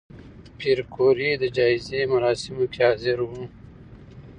پېیر کوري د جایزې مراسمو کې حاضر و؟